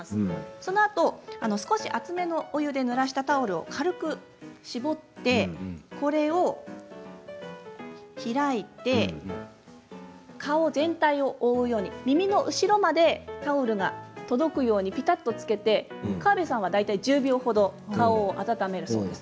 そのあと、少し熱めのお湯でぬらしたタオルを軽く絞ってこれを開いて顔全体を覆うように耳の後ろまでタオルが届くようにぴたっとつけて川邉さんは大体１０秒ほど顔を温めるそうです。